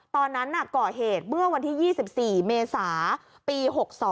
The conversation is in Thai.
ตอนนั้นก่อเหตุเมื่อวันที่๒๔เมษาปี๖๒